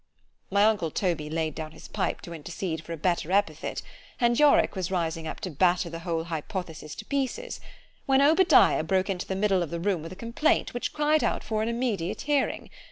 — ——My uncle Toby laid down his pipe to intercede for a better epithet——and Yorick was rising up to batter the whole hypothesis to pieces—— ——When Obadiah broke into the middle of the room with a complaint, which cried out for an immediate hearing.